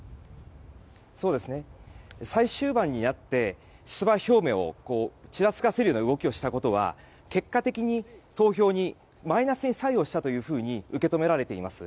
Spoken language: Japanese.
最終盤になって出馬表明をちらつかせるような動きをしたことは結果的に、投票にマイナスに作用したと受け止められています。